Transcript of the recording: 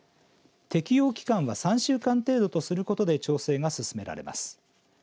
適用期間は３週間程度とすることで調整が進められます。